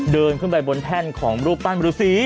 เดินขึ้นไปบนแห้นของรูปตาลมรูสี